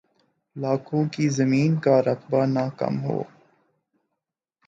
لکوں کی زمین کا رقبہ نہ کم ہو